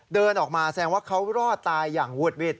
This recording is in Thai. เดินออกมาแสดงว่าเขารอดตายอย่างวุดวิด